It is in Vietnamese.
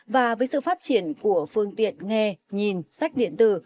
và với sự phát triển của phương tiện nghe nhìn sách điện tử